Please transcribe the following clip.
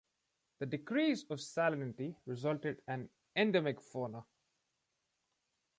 The decrease of salinity resulted an endemic fauna.